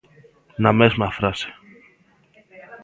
Na mesma frase.